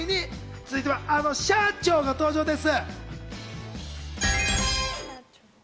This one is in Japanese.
続いては、あの社長が登場です。